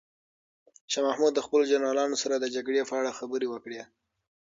شاه محمود د خپلو جنرالانو سره د جګړې په اړه خبرې وکړې.